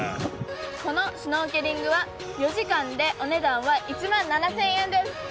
このシュノーケリングは４時間でお値段は１万７０００円です。